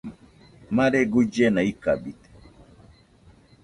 Mare guillena ikabite.